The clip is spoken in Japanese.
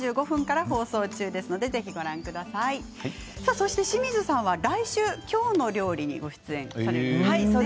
そして清水さんは来週「きょうの料理」にご出演されるんですね。